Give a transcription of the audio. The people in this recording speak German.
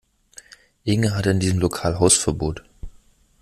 Inge hatte in diesem Lokal Hausverbot